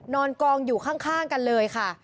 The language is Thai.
นอนกองอยู่ข้างกันเลยค่ะ